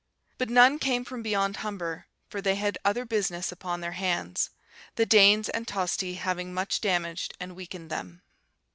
But none came from beyond Humbre, for they had other business upon their hands; the Danes and Tosti having much damaged and weakened them.